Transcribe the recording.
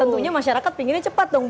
tentunya masyarakat pengennya cepat dong bu